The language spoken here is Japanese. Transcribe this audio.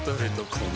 この